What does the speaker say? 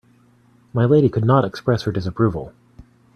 My lady could not express her disapproval.